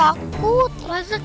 aku mau lihat